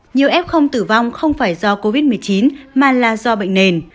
nhiều f tử vong không phải do covid một mươi chín mà là do bệnh nền